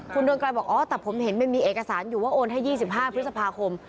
คุณเรืองไกรบอกอ๋อแต่ผมเห็นมันมีเอกสารอยู่ว่าโอนให้๒๕พฤษภาคม